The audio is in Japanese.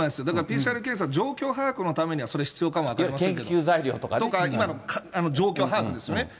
だからＰＣＲ検査、状況把握のためには必要かもしれませんけど、今の状況把握ですね。